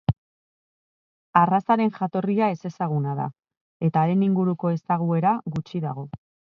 Arrazaren jatorria ezezaguna da eta haren inguruko ezaguera gutxi dago.